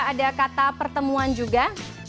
ada kata pertemuan juga